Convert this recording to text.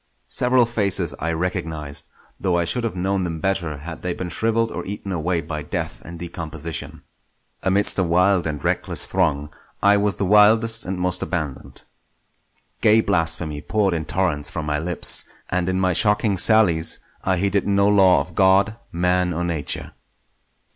Several faces I recognised; though I should have known them better had they been shrivelled or eaten away by death and decomposition. Amidst a wild and reckless throng I was the wildest and most abandoned. Gay blasphemy poured in torrents from my lips, and in my shocking sallies I heeded no law of God, Man, or Nature.